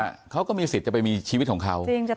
เพราะไม่เคยถามลูกสาวนะว่าไปทำธุรกิจแบบไหนอะไรยังไง